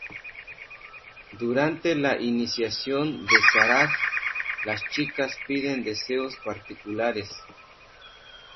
Durante la iniciación de Sarah, las chicas piden deseos particulares.